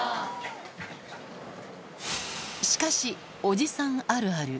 しかし、おじさんあるある。